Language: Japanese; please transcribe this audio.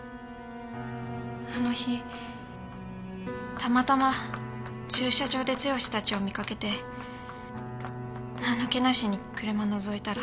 あの日たまたま駐車場で剛たちを見かけて何の気なしに車のぞいたら。